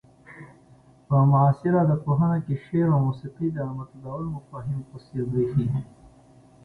په معاصر ادب پوهنه کې شعر او موسيقي د متداول مفاهيمو په څير بريښي.